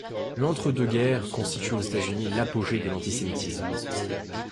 L'entre-deux-guerres constitue aux États-Unis l'apogée de l'antisémitisme.